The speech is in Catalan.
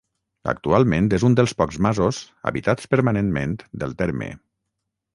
Actualment és un dels pocs masos habitats permanentment del terme.